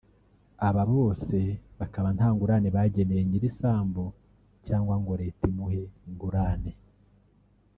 aba bose bakaba nta ngurane bageneye nyir’isambu cyangwa ngo Leta imuhe ingurane